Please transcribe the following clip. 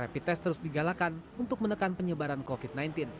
repitest terus digalakan untuk menekan penyebaran covid sembilan belas